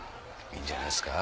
いいんじゃないですか。